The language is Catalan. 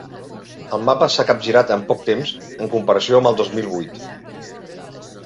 El mapa s’ha capgirat en poc temps en comparació amb el dos mil vuit.